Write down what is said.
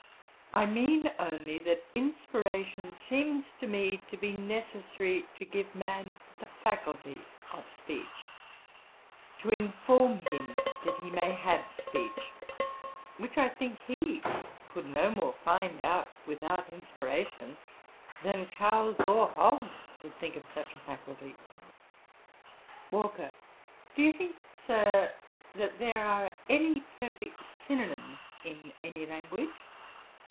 I mean only that inspiration seems to me to be necessary to give man the faculty of speech; to inform him that he may have speech; which I think he could no more find out without inspiration, than cows or hogs would think of such a faculty.' WALKER. 'Do you think, Sir, that there are any perfect synonimes in any language?'